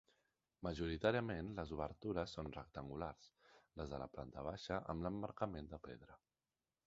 Majoritàriament, les obertures són rectangulars, les de la planta baixa amb l'emmarcament de pedra.